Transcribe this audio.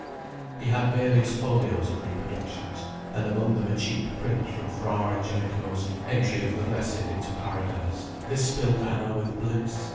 He had various folios of reproductions, and among them a cheap print from Fra Angelico's "Entry of the Blessed into Paradise". This filled Anna with bliss.